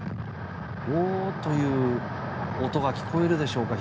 ゴーッという音が聞こえるでしょうか。